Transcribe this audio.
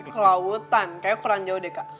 ke lautan kayaknya kurang jauh deh kak